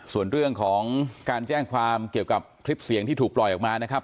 ส่วนเรื่องของการแจ้งความเกี่ยวกับคลิปเสียงที่ถูกปล่อยออกมานะครับ